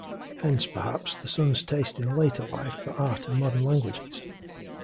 Hence, perhaps, the son's taste in later life for art and modern languages.